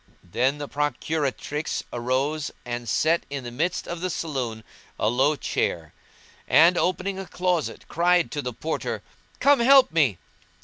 Then the procuratrix rose and set in the midst of the saloon a low chair and, opening a closet, cried to the Porter, "Come help me."